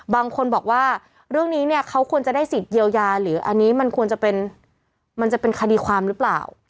บางคนบอกว่าเรื่องนี้เนี่ยเขาควรจะได้สิทธิ์เยียวยาหรืออันนี้มันควรจะเป็นมันจะเป็นคดีความหรือเปล่า